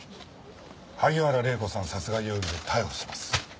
萩原礼子さん殺害容疑で逮捕します。